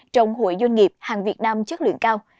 trong hội doanh nghiệp hàng việt nam chất lượng cao